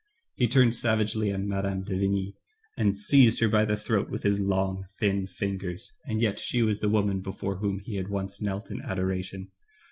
He turned savagely on Mme. de Vigny, and seized her by the throat with his long, thin fin gers, and yet she was the woman before whom he had once knelt in adoration.